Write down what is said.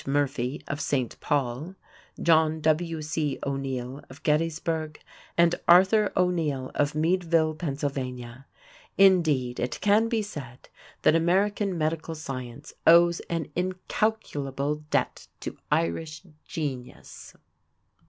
Murphy of St. Paul; John W.C. O'Neal of Gettysburg; and Arthur O'Neill of Meadville, Pa. Indeed, it can be said that American medical science owes an incalculable debt to Irish genius.